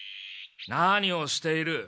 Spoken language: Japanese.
何をしている？